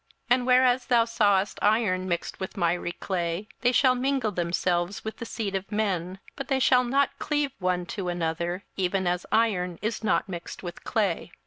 27:002:043 And whereas thou sawest iron mixed with miry clay, they shall mingle themselves with the seed of men: but they shall not cleave one to another, even as iron is not mixed with clay.